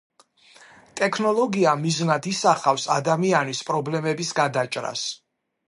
ტექნოლოგია მიზნად ისახავს ადამიანის პრობლემების გადაჭრას.